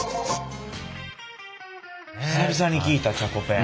久々に聞いたチャコペン。